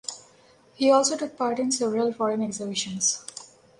He also took part in several foreign exhibitions.